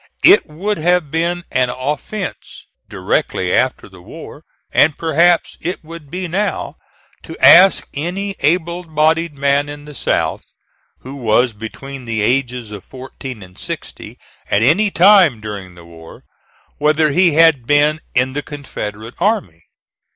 It would have been an offence, directly after the war, and perhaps it would be now, to ask any able bodied man in the South, who was between the ages of fourteen and sixty at any time during the war, whether he had been in the Confederate army.